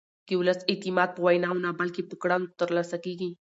د ولس اعتماد په ویناوو نه بلکې په کړنو ترلاسه کېږي